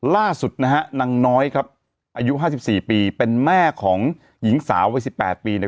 ล่าสุดนะฮะนางน้อยครับอายุ๕๔ปีเป็นแม่ของหญิงสาววัย๑๘ปี